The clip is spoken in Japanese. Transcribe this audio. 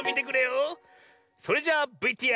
それじゃあＶＴＲ。